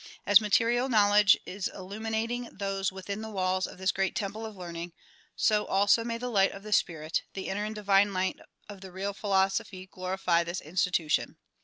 As material knowledge is illuminating those within the walls of this great temple of learning, so also may DISCOURSES DELIVERED IN NEW YORK 29 the light of the spirit, the inner and divine light of the real philoso phy glorify this institution.